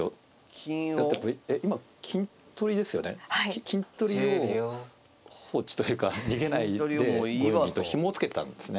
金取りを放置というか逃げないで５四銀とひもをつけたんですね。